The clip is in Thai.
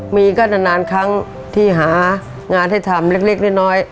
มีก็นานครั้งที่หางานให้ทำเล็กน้อย